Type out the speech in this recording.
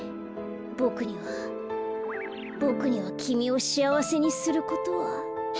ボクにはボクにはきみをしあわせにすることは。